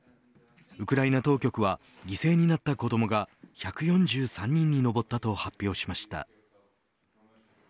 ウクライナ当局は犠牲になった子どもが１４３人に上ったと発表しました。